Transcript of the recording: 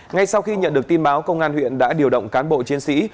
ngay sau khi nhận được tin báo công an huyện đã điều động cán bộ chiến sĩ